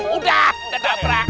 udah udah tak berang